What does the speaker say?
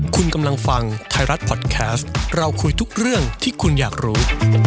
คุณกำลังฟังไทยรัฐพอดแคสต์เราคุยทุกเรื่องที่คุณอยากรู้